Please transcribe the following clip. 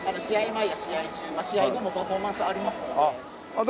前や試合中試合後もパフォーマンスありますので。